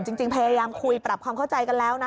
จริงพยายามคุยปรับความเข้าใจกันแล้วนะ